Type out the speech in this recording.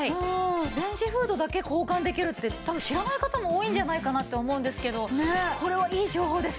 レンジフードだけ交換できるって多分知らない方も多いんじゃないかなって思うんですけどこれはいい情報ですね。